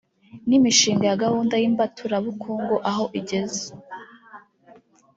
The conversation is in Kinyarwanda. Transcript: n’imishinga ya gahunda y’imbaturabukungu aho igeze